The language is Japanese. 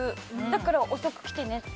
だから遅く来てねって。